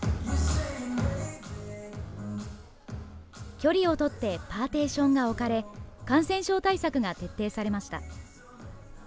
距離を取ってパーテーションが置かれ、感染症対策が徹底されました。